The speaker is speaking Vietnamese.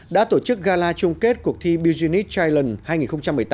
đã tổ chức gala chung kết cuộc thi business chilen hai nghìn một mươi tám